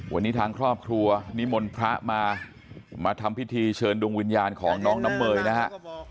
วันนี้ทางครอบครัวนิมนต์พระมามาทำพิธีเชิญดวงวิญญาณของน้องน้ำเมยนะฮะ